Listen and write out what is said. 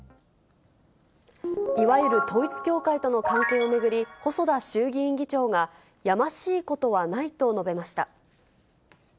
いわゆる統一教会との関係を巡り、細田衆議院議長が、やましいことはないと述べました。